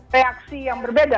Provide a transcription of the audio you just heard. reaksi yang berbeda